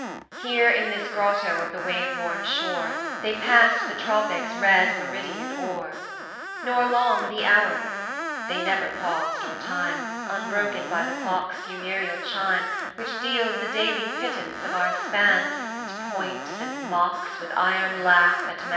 XV. Here, in this grotto of the wave worn shore, They passed the Tropic's red meridian o'er; Nor long the hours they never paused o'er time, Unbroken by the clock's funereal chime, Which deals the daily pittance of our span, 350 And points and mocks with iron laugh at man.